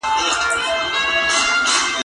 د دې بیزو نوم اوسترالوپیتکوس و.